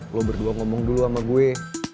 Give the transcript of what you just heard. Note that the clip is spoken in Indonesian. lo berdua ngomong dulu sama gue